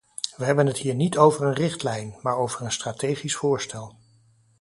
We hebben het hier niet over een richtlijn, maar over een strategisch voorstel.